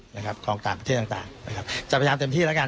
นะครับของต่างประเทศต่างต่างนะครับจะพยายามเต็มที่แล้วกัน